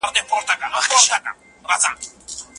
پام وکړې نو لیکنه دې ښه ده.